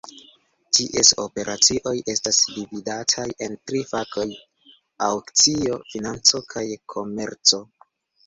Ties operacioj estas dividataj en tri fakoj: Aŭkcio, Financo, kaj Komerco.